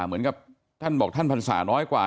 เหมือนกับท่านบอกท่านพรรษาน้อยกว่า